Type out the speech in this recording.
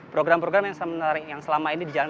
program program yang selama ini dijalankan